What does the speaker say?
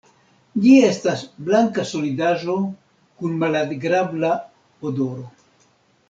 Ĝi estas blanka solidaĵo kun malagrabla odoro.